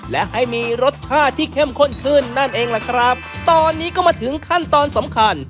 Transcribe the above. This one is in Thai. และให้มีรสชาติที่เข้มข้นขึ้นนั่นเองล่ะครับตอนนี้ก็มาถึงขั้นตอนสำคัญ